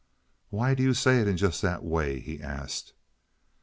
"Why do you say that in just that way?" he asked.